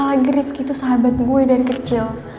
lagi rifqi tuh sahabat gue dari kecil